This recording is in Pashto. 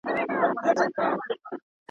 نور د سپي امتیاز نه سمه منلای.